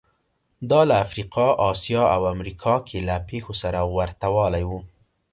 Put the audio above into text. دا له افریقا، اسیا او امریکا کې له پېښو سره ورته والی و